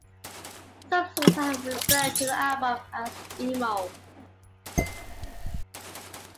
Some sources have referred to the album as "emo".